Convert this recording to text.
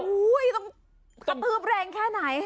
เฮ้ยต้องกระตื๊บแรงแค่ไหน